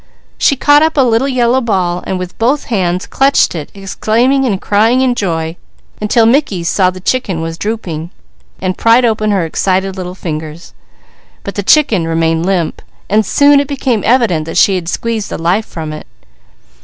She caught up a little yellow ball, and with both hands clutched it, exclaiming and crying in joy until Mickey saw the chicken was drooping. He pried open her excited little fingers; but the chicken remained limp. Soon it became evident that she had squeezed the life from it.